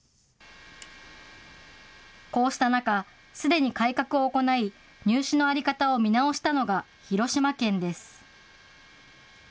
こうした中、すでに改革を行い、入試の在り方を見直したのが広島県です。